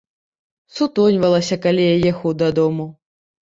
Сутоньвалася, калі я ехаў дадому.